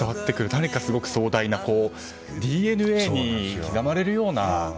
何か壮大なＤＮＡに刻まれるような。